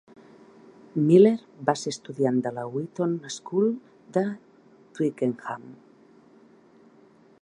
Miller va ser estudiant de la Whitton School de Twickenham.